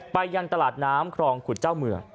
ไปยังตลาดน้ำครองขุดเจ้าเมือง